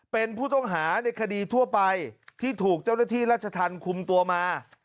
เป็นผู้ต้องหาในคดีทั่วไปที่ถูกเจ้าหน้าที่รัชธรรมคุมตัวมา